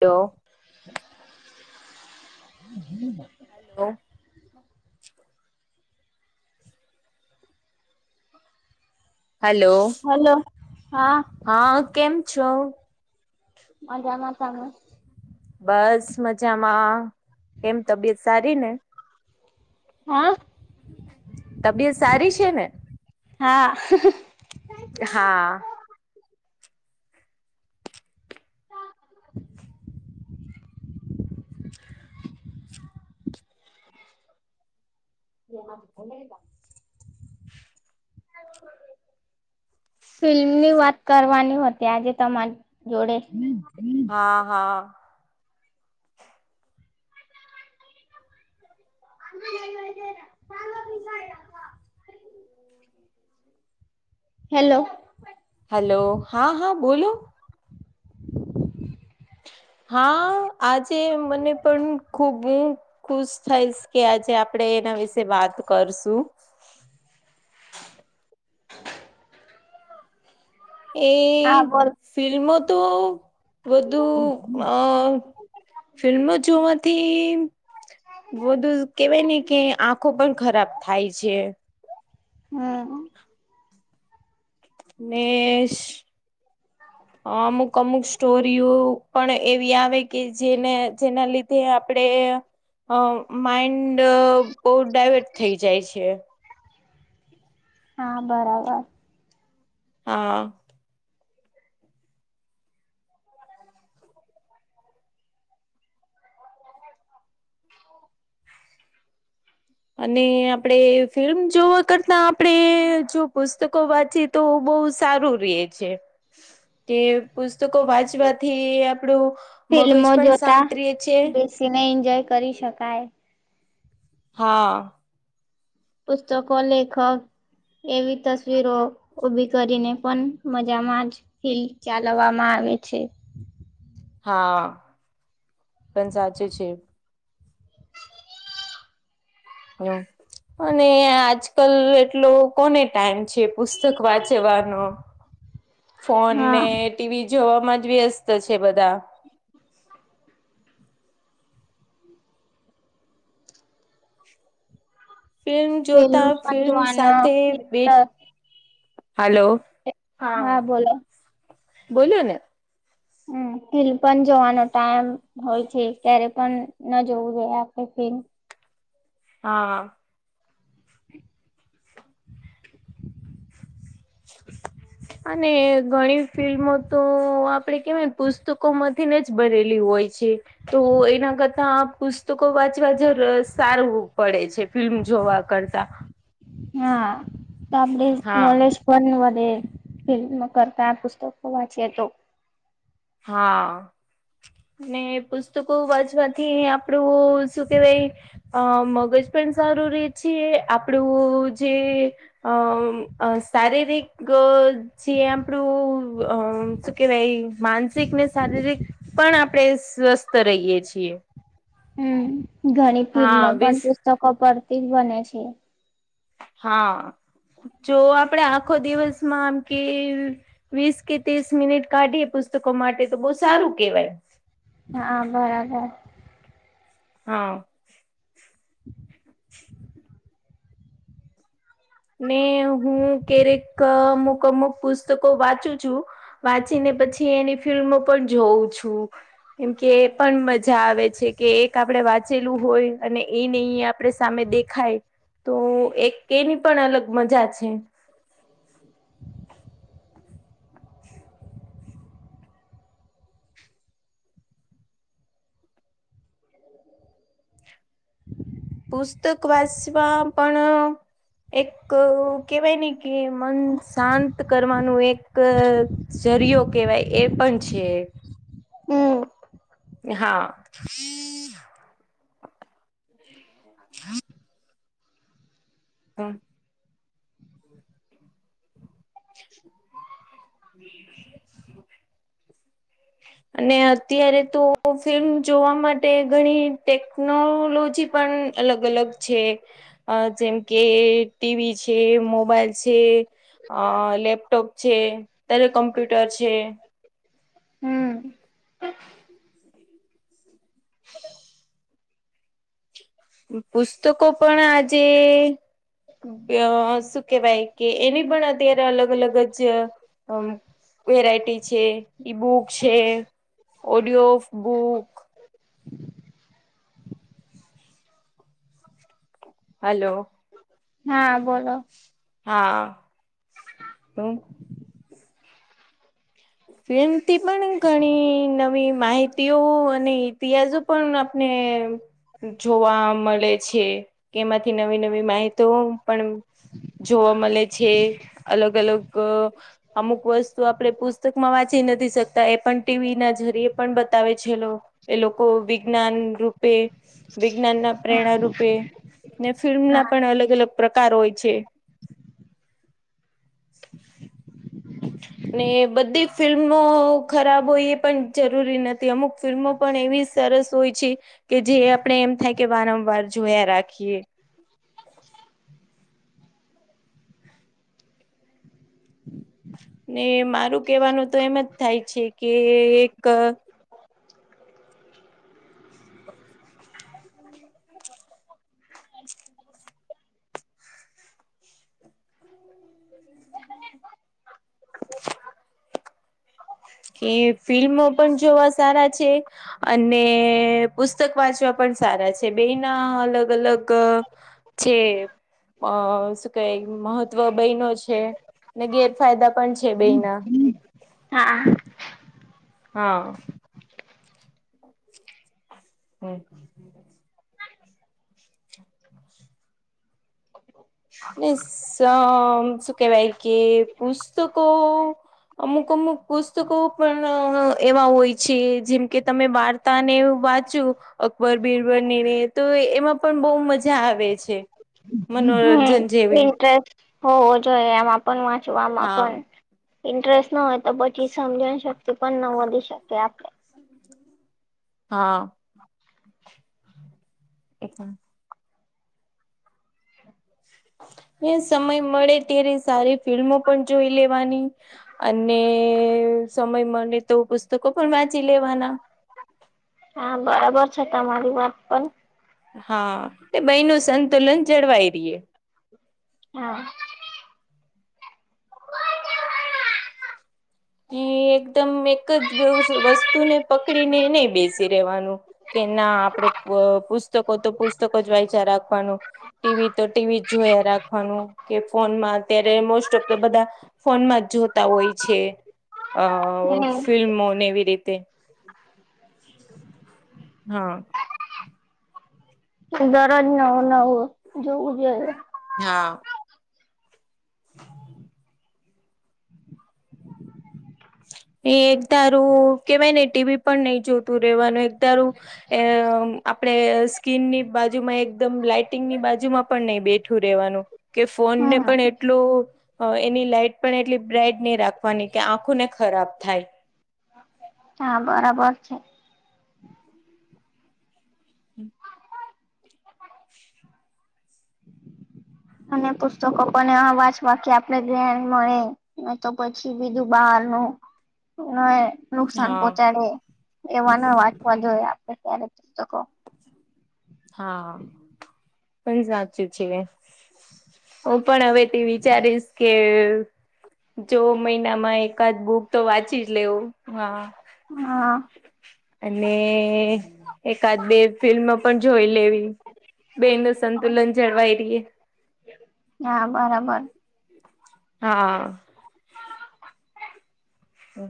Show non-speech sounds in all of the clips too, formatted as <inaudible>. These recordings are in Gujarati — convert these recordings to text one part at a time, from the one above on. હલો હમ્મ હેલો હેલો હેલો, હા. હા, કેમ છો? મજામાં, તમે? બસ મજામાં, એમ તબિયત સારી ને? હા તબિયત સારી છે ને? હા. હા <inaudible> <unintelligible> ફિલ્મની વાત કરવાની હતી, આજે તમારી જોડે. હા હા <inaudible> હેલો હેલો, હા હા બોલો. <inaudible> હા, આજે મને પણ ખુબ ખુશ થઈશ, કે આજે આપડે એના વિશે વાત કરશું. એ, હા બોલ ફિલ્મો તો વધુ અ ફિલ્મો જોવાથી બધુ કેવાય ને કે આંખો પણ ખરાબ થાય છે. હમ્મ નેેશ <inaudible> અમુક અમુક સ્ટોરીઓ પણ એવી આવે, કે જેને જેના લીધ તે આપડે અ માઇન્ડ બહુ ડાયવર્ટ થઈ જાય છે. હા બરાબર. હા અને આપડે ફિલ્મ જોવા કરતા આપણે જો પુસ્તકો વાંચીયે તો બહુ સારું રીએ છે. <inaudible> તે પુસ્તકો વાંચવાથી આપણું મગજ પણ શાંત રિએ છે. સીને એન્જોય કરી શકાય. હા પુસ્તકો, લેખક એવી તસ્વીરો ઉભી કરીને પન મજામાં જ ફિલ્લ ચાલવામાં આવે છે. હા પણ સાચું છે. હલો અને આજ કલ એટલો કોને ટાઈમ છે, પુસ્તક વાંચવાનો. <inaudible> ફોન ને હા ટીવી જોવામાં જ વ્યસ્ત છે બધા. ફિલ્મ જોતા ફિલ્મ પણ ફિલ્મ જોવાનો સાથે બે હલો, હા, બોલોને. હમ હિલ પન જોવાનો ટાઈમ હોય છે ક્યારે પણ ન જોવું જોઈએ આપે ફિલ્મ. હા અને ઘણી ફિલ્મો તો આપડે કેવાય ન પુસ્તકોમાંથી ને જ બનેલી હોય છે. તો એના કરતા આ પુસ્ પુસ્તકો વાંચવા જ સારું પડે છે, ફિલ્મ જોવા કરતા. હા તો આપણે હા નોલેજ પન વધે. ફિલ્મ કરતા પુસ્તકો વાંચીએ તો. હા ને પુસ્તકો વાંચવાથી આપણું શું કેવાય અ મગજ પન સારું રે છે. આપણું જે અમ અ શારીરિક જે આપણું અ શું કેવાય મા શીક ને શારીરિક પણ આપણે સ્વસ્થ રહીએ છીએ. હમ ઘણી ફિલ્મો હા પણ વીસ પુસ્તકો પરથી જ બને છે. હા જો આપડે આખો દિવસમાં આમ કે વીસ કે તીસ મિનિટ કાઢીએ પુસ્તકો માટે તો બહુ સારું કેવાય. હા બરાબર. હા હમ ને હું કેરેક અમુક અમુક પુસ્તકો વાંચું છું. વાંચીને પછી એની ફિલ્મો પણ જોઉં છું કેમ કે એ પણ મજા આવે છે. કે એક આપડે વાંચેલું હોય અને ઈ ને ઈ આપડે સામે દેખ ખાય, તો એક એની પણ અલગ મજા છે. પુસ્તક વાંચવા પણ એક કેવાય ને કે મન શાંન ત કરવાનું એક જરિયો કેહેવાય એ પણ છે. હમ હા <inaudible> હમ હમ હમ અને અત્યારે તો ફિલ્મ જોવા માટે ઘણી ટેક નોલોજી પણ અલગ અલગ છે. અ જેમ કે ટીવી છે, મોબાઈલ છે. અ લેપટોપ છે, અત્યારે કોમ્પ્યુટર છે. હમ પુસ્તકો પણ આજે અ શું કેવાય કે એની પણ અત્યારે અલગ અલગ જ અ વેરાયટી છે. ઈ બુક છે, ઓડિયો બુક. હલો હા બોલો હા હ ફિલ્મથી પણ ઘણી નવી માહિતીઓ અને ઇતિહાસો. પણ આપણે. જોવા મળે છે કે એમાંથી નવી નવી માહિતી પણ. જોવા મળે છે, અલગ અલગ અમુક વસ્તુ આપણે પૂછ પુસ્તકમાં વાંચી નથી શકતા, એ પણ ટીવી ના જરી પણ બતાવે છેલ્લો. એ લોકો વિજ્ઞાન રૂપે, વિજ્ઞાન ના હા પ્રેરણા રૂપે. ને ફિલ્મ ના હા પણ અલગ અલગ પ્રકાર હોય છે. ને. બધી ફિલ્મો ખરાબ હોય એ પણ જરૂરી નથી, અમુક ફિલ્મો પણ એવી સરસ હોય છે. કે જે આપણે એમ થાય કે વારંવાર જોયા રાખીએ. ને મારું કેહેવાનું તો એમ જ થાય છે કે એક. કે ફિલ્મો પણ જોવા સારા છે. અને પુસ્તક વાંચવા પણ સારા છે, બે ના અલગ અલગ છે. અ, શું ક મહત્વ બે ન છે ને, ગેરફાયદા પણ છે બે ના. હા. હા. હમ. ને, શું કેવાય કે પુસ્તકો અમુક અમુક પુસ્તકો પણ એવા હોય છે, જેમ કે તમે વા તને એવું વાચું. અકબર બીરબલની બનીને તો એમાં પણ બહ મજા આવે છે, મનોરંજ હમ ઇન્ટરેસ્ટ હોવો જોઈ આમાં પણ, વાંચવામાં હા આમાં પણ ઇન્ટરેસ્ટ ન હો તો પછી સમજ શકતી પણ ન વધી શકે આપણે. હા. એ <unintelligible> હા. એ, સમય મળે ત્યારે સારી ફિલ્મો પણ જોઈ લેવાની. અને, સમય મળે તો પુસ્તકો પણ વાંચી લેવાના. હા, બરાબર છે તમારી વાત પણ. હા, એ બેનું સંતુલન જળવાય રહે. હા. જે, એકદમ એક જ વસ્તુને પકડીને નહી બેસી રહેેવાનું. કે ના, આપડે પુસ્તકો તો પુસ્તકો જ વાંચ્યા રાખવાનું. ટીવી તો ટીવી જોયા રાખવાનું, કે ફોનમાં અત્યારે મોસ્ટ ઓફ તો બધા ફોનમાં જ જોતા હોય છે, હમ ફિલ્મોને એવી રીતે. હા. દરરોજ નવો નવો જોવું જઈએ. હા. એ, એક ધારું કેવાય ને, ટીવી પણ નહીં જોતું રેવાનું એક ધારું. એ, આપણેે સ્કીનની બાજુમાં એકદમ લાઈટિંગ ની બાજુમાં પણ નહી બેઠું રહેેવાનું. કે, ફોનને હમ પણ એટલ એની લાઈટ પણ એટલી બ્રાઈટ નહી રાખવાની કે આંખો ને ખરાબ થાય. હા, બરાબર. હમ. <unintelligible> અને પુસ્તકો પણ અવાજવાકી આપણે જ્ઞાન મળે. અ તો પછી બીધું બહાર ન હ નુકસાન હા પહોંચાડે એવાના વાંચવા જોઈએ આપણે ત્યારે પુસ્તકો. હા, પણ સાચું છે. હું પણ હવે તે વિચારીશ કે જો મહિનામાં એકાદ બુક તો વાંચી જ લેવું, હા. હા અને, એકાદ બે ફિલ્મ પણ જોઈ લેવી બે સંતુલન જળવાઈ રે. હા બરાબર. હા. હમ.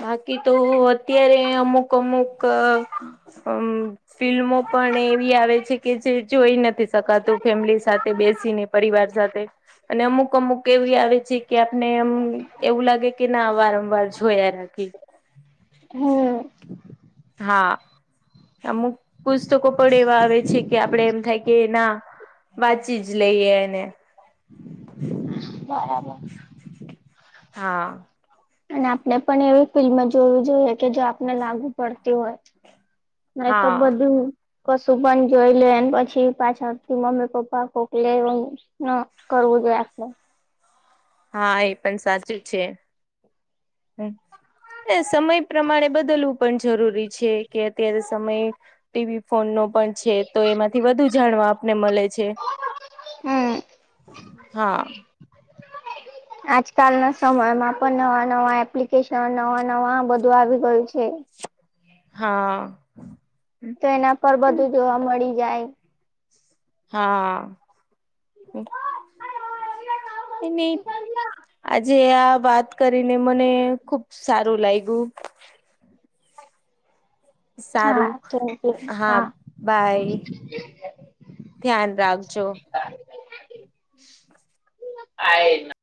બાકી તો અત્યારે અમુક અમુક અ ફિલ્મો પણ એવી આવે છે કે જે જોઈ નથી શકાતું ફેમિલી સાથે બેસીને પરિવાર સાથે અને અમુક અમુક કેવી આવે છે કે આપનેમ એવું લાગે કે ના વારંવાર જોયા રા કી હમ્મ. હા. અમુક પુસ્તકો પણ એવા આવે છે કે આપડે એમ થાય કે ના વાચી જ લઈએ એને. બરાબર. હા. અને આપણે પણ એવી ફિલ્મ જોવી જોઈએ કે જો આપને લાગુ પડતી હોય. ના તો હા બધું કશું પણ જોઈ લે પછી પાછળથી મમ્મી પપ્પા ખોકલે ન કરવું જોઈએ આપણે. હા એ પણ સાચું છે સમય એ પ્રમાણે બદલવું પણ જરૂરી છે કે અત્યારે સમયે ટીવી ફોન નો પણ છે તો એમાંથી વધુ જાણવા આપને મળે છે. હમ હા આજકાલના સમયમાં પણ નવા નવા એપ્લિકેશન નવા નવા બધું આવી ગયું છે. હા. તો એના પર બધું જોવા મળી જાય. હા. તે નહી આજે આ વાત કરીને મને ખુબ સારું લાગ્યું. હા સારું થેન્ક યુ હા બાય. ધ્યાન રાખજો. આ